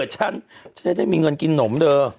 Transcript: ชั้นจะได้มีเงินกินนมเด้อ